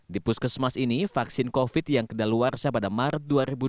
di puskesmas ini vaksin covid yang kedaluarsa pada maret dua ribu dua puluh